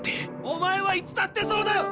おまえはいつだってそうだよ！